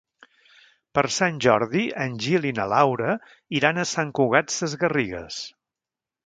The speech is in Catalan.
Per Sant Jordi en Gil i na Laura iran a Sant Cugat Sesgarrigues.